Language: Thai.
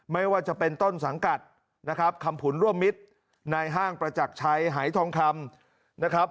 ไม่ว่าจะเป็นต้นสังกัดนะครับคำผุนร่วมมิตรนายห้างประจักรชัยหายทองคำนะครับ